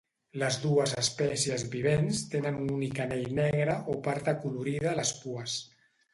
Les dues espècies vivents tenen un únic anell negre o part acolorida a les pues.